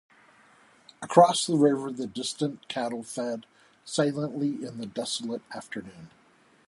Across the river the distant cattle fed silently in the desolate afternoon.